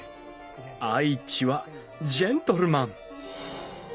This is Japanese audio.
愛知はジェントルマン。